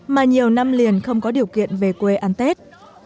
mà nhiều năm liền không có điều kiện về quê ăn tết